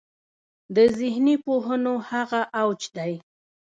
د ذهني پوهنو هغه اوج دی.